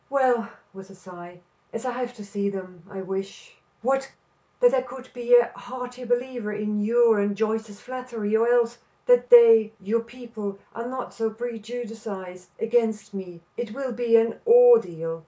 Well," with a sigh, "as I have to see them, I wish " "What?" "That I could be a heartier believer in your and Joyce's flattery, or else, that they, your people, were not so prejudiced against me. It will be an ordeal."